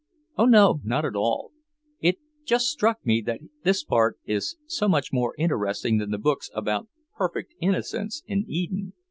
"Oh no, not at all! It just struck me that this part is so much more interesting than the books about perfect innocence in Eden."